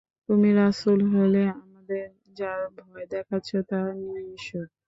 তুমি রাসূল হলে আমাদের যার ভয় দেখাচ্ছ তা নিয়ে এসো।